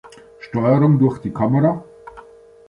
Steuerung durch die Kamera